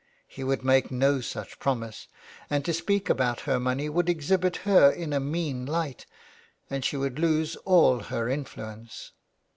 He would make no such promise, and to speak about her money would exhibit her in a mean light, and she would lose all her influence.